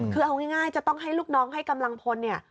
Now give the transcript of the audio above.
คือเอาง่ายจะต้องให้ลูกน้องให้กำลังพลเนี่ย